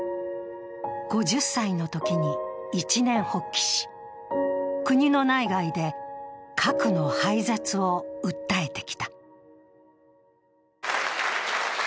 ５０歳のときに一念発起し、国の内外で核の廃絶を訴えてきた。